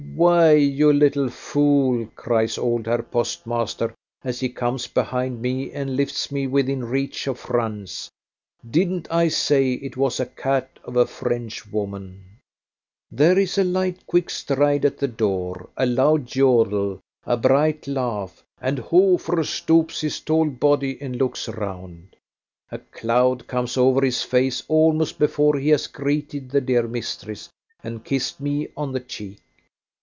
"Why, you little fool," cries old Herr postmaster as he comes behind me and lifts me within reach of Franz, "didn't I say it was a cat of a French woman?" There is a light quick stride at the door a loud jödel a bright laugh and Hofer stoops his tall body and looks round. A cloud comes over his face almost before he has greeted the dear mistress, and kissed me on the cheek.